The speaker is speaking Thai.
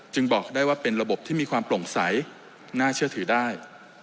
บอกได้ว่าเป็นระบบที่มีความโปร่งใสน่าเชื่อถือได้